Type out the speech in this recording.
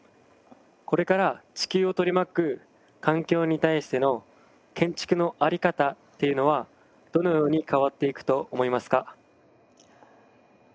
これから地球を取り巻く環境に対しての建築の在り方っていうのはどのように変わっていくと思いますか？